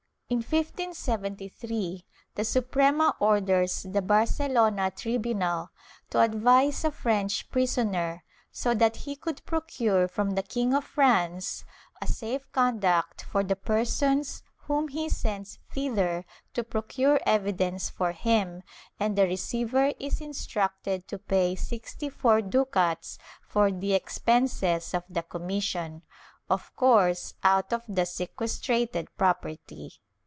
In 1573, the Suprema orders the Barcelona tribunal to advise a French prisoner so that he could procure from the King of France a safe conduct for the persons whom he sends thither to procure evidence for him, and the receiver is instructed to pay sixty four ducats for the expenses of the commission — of course out of the sequestrated property.'